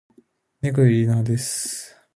猫より犬派です